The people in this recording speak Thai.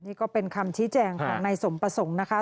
นี่ก็เป็นคำชี้แจงของนายสมประสงค์นะคะ